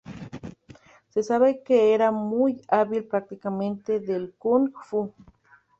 Se sabe que era muy hábil practicante del kung fu.